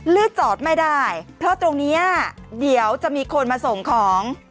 จอดไม่ได้เพราะตรงนี้เดี๋ยวจะมีคนมาส่งของ